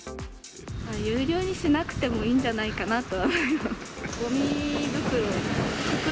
有料にしなくてもいいんじゃないかなとは。